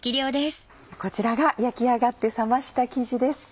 こちらが焼き上がって冷ました生地です。